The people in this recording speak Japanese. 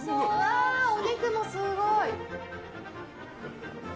あー、お肉もすごい。